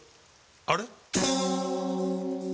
あれ？